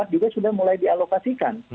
juga sudah mulai dialokasikan